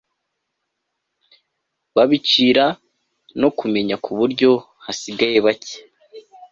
babicira no kumenya ku buryo hasigaye bacye